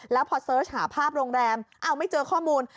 แล้วพอเสิร์ชหาภาพโรงแรมอ้าวไม่เจอข้อมูล